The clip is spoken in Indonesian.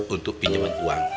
untuk pinjaman uang